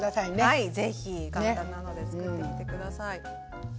はいぜひ簡単なので作ってみて下さい。